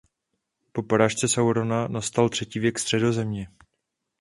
Po porážce Saurona nastal Třetí věk Středozemě.